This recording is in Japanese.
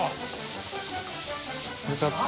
よかった。